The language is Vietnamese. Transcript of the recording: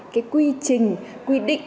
cái quy trình quy định